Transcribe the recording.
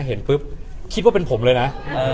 เห็นปุ๊บคิดว่าเป็นผมเลยนะ